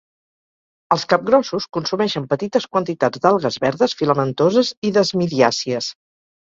Els capgrossos consumeixen petites quantitats d'algues verdes filamentoses i desmidiàcies.